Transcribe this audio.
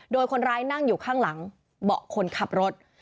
โดยคนร้ายนั่งอยู่ข้างหลังเบาะคนขับรถ